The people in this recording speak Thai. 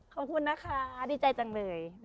ขอบคุณนะคะดีใจจังเลย